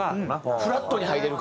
フラットに入れるから。